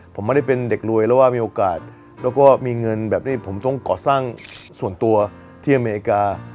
ผมไม่ได้เป็นเด็กรวยแล้วว่ามีโอกาสแล้วก็มีเงินแบบที่ผมต้องก่อสร้างส่วนตัวที่อเมริกา